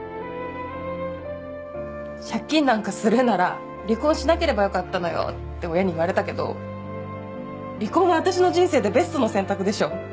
「借金なんかするなら離婚しなければよかったのよ」って親に言われたけど離婚は私の人生でベストの選択でしょ。